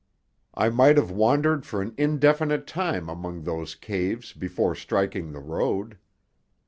I might have wandered for an indefinite time among those caves before striking the road.